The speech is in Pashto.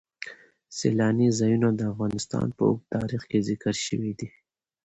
سیلانی ځایونه د افغانستان په اوږده تاریخ کې ذکر شوی دی.